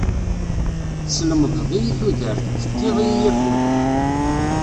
Teslemdeḍ-iyi tudert, tefkiḍ-iyi afud.